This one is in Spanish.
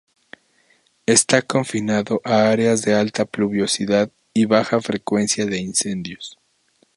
Está confinado a áreas de alta pluviosidad y baja frecuencia de incendios.